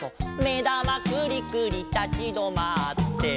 「めだまくりくりたちどまって」